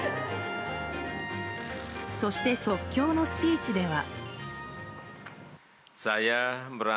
そして、即興のスピーチでは。